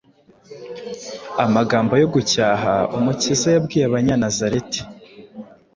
amagambo yo gucyaha Umukiza yabwiye Abanyanazareti,